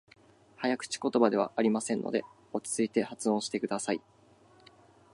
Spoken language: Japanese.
早口言葉ではありませんので、落ち着いて発音してください。